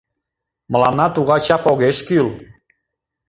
Мыланна тугай чап огеш кӱл!